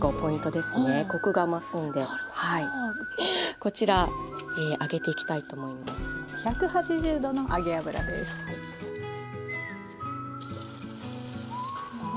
こちら揚げていきたいと思います。